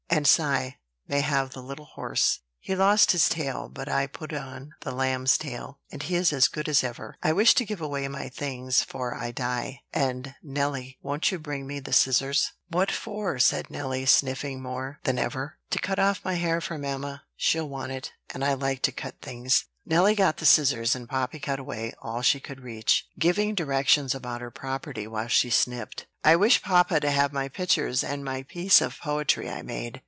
And Cy may have the little horse: he lost his tail; but I put on the lamb's tail, and he is as good as ever. I wish to give away my things 'fore I die; and, Nelly, won't you bring me the scissors?" "What for?" said Nelly, sniffing more than ever. "To cut off my hair for mamma. She'll want it, and I like to cut things." Nelly got the scissors; and Poppy cut away all she could reach, giving directions about her property while she snipped. "I wish papa to have my pictures and my piece of poetry I made.